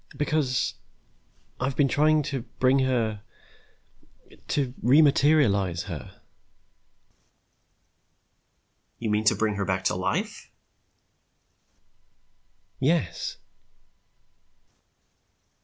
"Because ... I have been trying to bring her ... to re materialize her." "You mean to bring her back to life?" "Yes."